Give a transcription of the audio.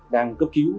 đang cấp cứu